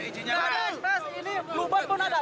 ini blue board pun ada